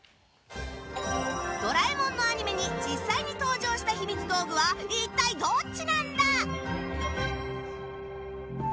「ドラえもん」のアニメに実際に登場したひみつ道具は一体どっちなんだ？